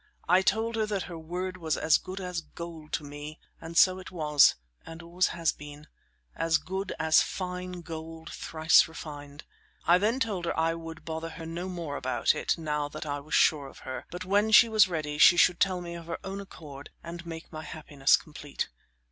I told her that her word was as good as gold to me; and so it was and always has been; as good as fine gold thrice refined. I then told her I would bother her no more about it, now that I was sure of her, but when she was ready she should tell me of her own accord and make my happiness complete.